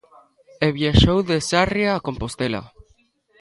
E viaxou de Sarria a Compostela.